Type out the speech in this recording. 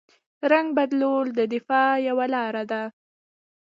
رنګ بدلول د دفاع یوه لاره ده